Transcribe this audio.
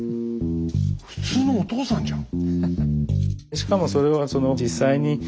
普通のお父さんじゃん。